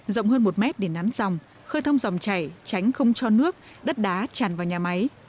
rộng hơn một mét để nắn dòng khơi thông dòng chảy tránh không cho nước đất đá tràn vào nhà máy